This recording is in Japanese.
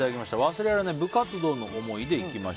忘れられない部活動の思い出。